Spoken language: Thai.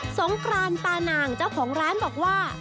สงกรานปานางเจ้าของร้านบอกว่า